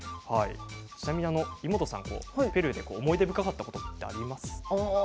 ちなみにイモトさん、ペルーで思い出深かったことはありますか。